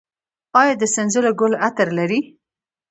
آیا د سنځلو ګل عطر لري؟